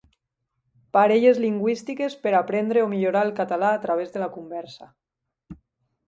Parelles lingüístiques per aprendre o millorar el català a través de la conversa.